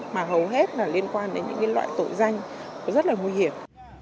mà hầu hết là liên quan đến những loại tội danh rất là nguy hiểm